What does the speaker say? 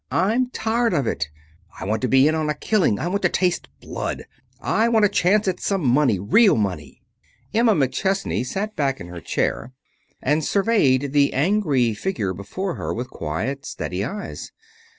I'm tired of it. I want to be in on a killing. I want to taste blood. I want a chance at some of the money real money." Emma McChesney sat back in her chair and surveyed the angry figure before her with quiet, steady eyes.